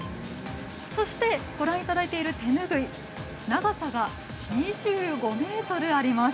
そしてご覧いただいている手拭い長さが２５ｍあります。